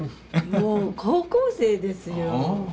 もう高校生ですよ。